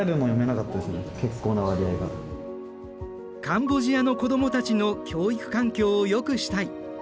カンボジアの子どもたちの教育環境をよくしたい。